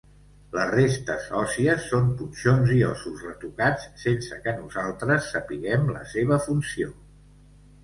Les restes òssies són punxons i ossos retocats sense que nosaltres sapiguem la seva funció.